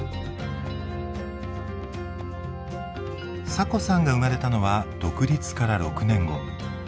サコさんが生まれたのは独立から６年後。